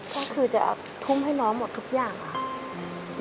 ก็คือจะทุ่มให้น้องหมดทุกอย่างค่ะ